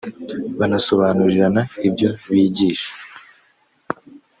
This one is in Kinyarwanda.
banasobanurirana ibyo bigisha